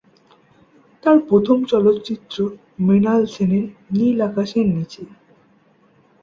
তার প্রথম চলচ্চিত্র মৃণাল সেনের "নীল আকাশের নিচে"।